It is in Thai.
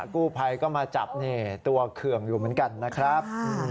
กู้ภัยก็มาจับตัวเคืองอยู่เหมือนกันนะครับ